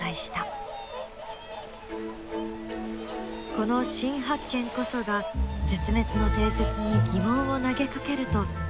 この新発見こそが絶滅の定説に疑問を投げかけると田中さんは言います。